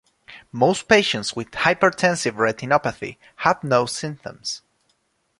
Most patients with hypertensive retinopathy have no symptoms.